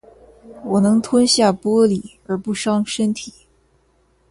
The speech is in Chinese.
我能吞下玻璃而不伤身体